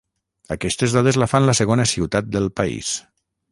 Aquestes dades la fan la segona ciutat del país.